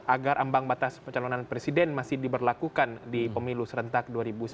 agar ambang batas pencalonan presiden masih diberlakukan di pemilu serentak dua ribu sembilan belas